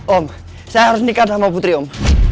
om saya harus nikah sama putri om